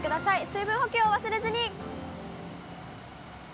水分補給を忘れずに。